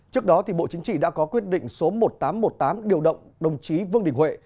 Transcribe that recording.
trước đó bộ chính trị đã có quyết định số một nghìn tám trăm một mươi tám điều động đồng chí vương đình huệ